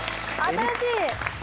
新しい！